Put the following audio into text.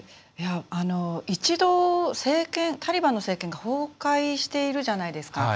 一度、タリバンの政権が崩壊してるじゃないですか。